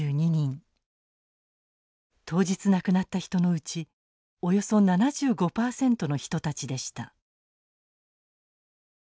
当日亡くなった人のうちおよそ７５％の人たちでした。